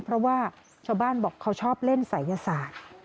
เพราะว่าชาวบ้านบอกเขาชอบเล่นศัยศาสตร์